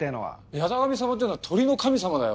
八咫神様っていうのは鳥の神様だよ。